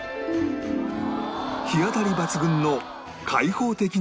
日当たり抜群の開放的なリビングに